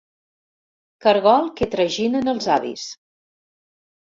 Cargol que traginen els avis.